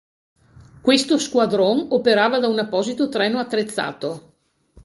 Questo squadron operava da un apposito treno attrezzato.